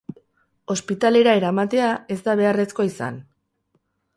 Ospitalera eramatea ez da beharrezkoa izan.